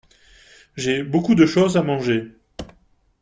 J’ai beaucoup de choses à manger.